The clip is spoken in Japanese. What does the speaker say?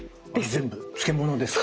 全部漬物ですか。